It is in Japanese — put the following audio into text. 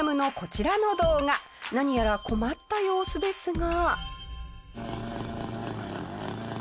何やら困った様子ですが。